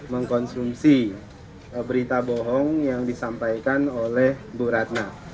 mengkonsumsi berita bohong yang disampaikan oleh bu ratna